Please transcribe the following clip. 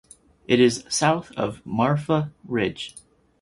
It is south of Marfa Ridge.